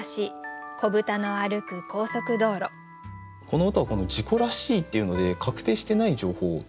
この歌は「事故らしい」というので確定してない情報。